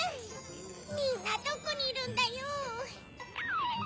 みんなどこにいるんだよ。